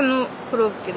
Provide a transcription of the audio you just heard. コロッケ。